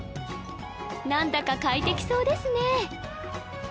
何だか快適そうですね